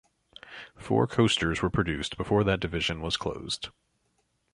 Four coasters were produced before that division was closed.